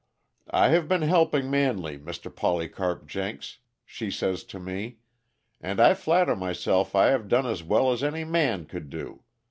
"'I have been helping Manley, Mr. Polycarp Jenks,' she says to me, 'and I flatter myself I have done as well as any man could do.'